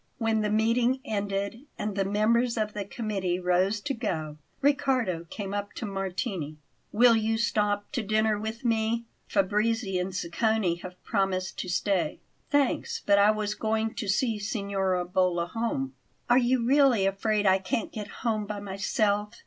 When the meeting ended and the members of the committee rose to go, Riccardo came up to Martini. "Will you stop to dinner with me? Fabrizi and Sacconi have promised to stay." "Thanks; but I was going to see Signora Bolla home." "Are you really afraid I can't get home by myself?"